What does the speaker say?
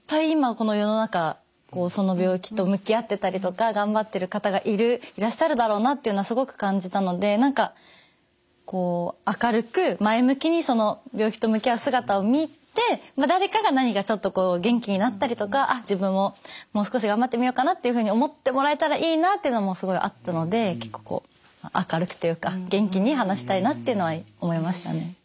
今この世の中その病気と向き合ってたりとか頑張ってる方がいらっしゃるだろうなっていうのはすごく感じたので何かこう明るく前向きに病気と向き合う姿を見て誰かが何かちょっと元気になったりとかあっ自分ももう少し頑張ってみようかなっていうふうに思ってもらえたらいいなっていうのもすごいあったので結構明るくというか元気に話したいなっていうのは思いましたね。